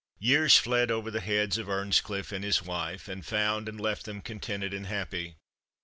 Years fled over the heads of Earnscliff and his wife, and found and left them contented and happy.